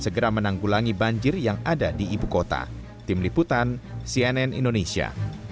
segera menanggulangi banjir yang ada di ibu kota tim liputan cnn indonesia